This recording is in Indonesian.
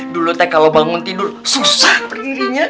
dulu teh kalo bangun tidur susah peririnya